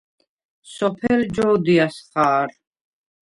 სოფელ ჯო̄დიას ხა̄რ.